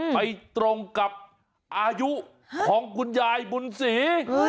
ไปตรงกับอายุของคุณยายบุญศรี